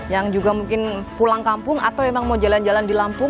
yang juga mungkin pulang kampung atau memang mau jalan jalan di lampung